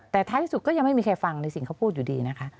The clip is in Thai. แต่ท้ายที่สุดก็ยังไม่มีใครฟังในสิ่งเขาพูดอยู่ดีนะคะ